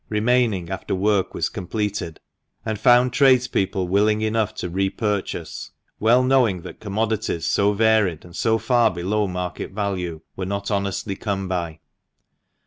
remaining after work was completed), and found trades people willing enough to re purchase, well knowing that commodities so varied, and so far below market value, were not honestly come by.